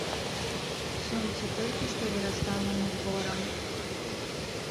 Сонца толькі што вырастала над борам.